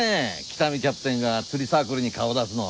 喜多見キャプテンが釣りサークルに顔出すの。